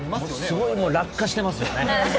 すごい落下してますよね。